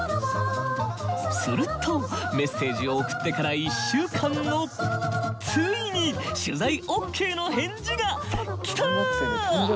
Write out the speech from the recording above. するとメッセージを送ってから１週間後ついに取材オッケーの返事がキター！